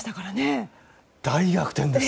大逆転です！